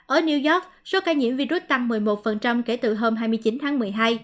ở new york số ca nhiễm virus tăng một mươi một kể từ hôm hai mươi chín tháng một mươi hai